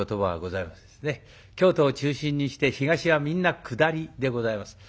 京都を中心にして東はみんな下りでございます。